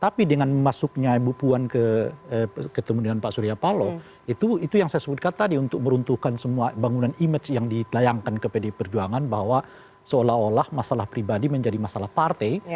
tapi dengan masuknya ibu puan ketemu dengan pak surya paloh itu yang saya sebutkan tadi untuk meruntuhkan semua bangunan image yang ditelayangkan ke pdi perjuangan bahwa seolah olah masalah pribadi menjadi masalah partai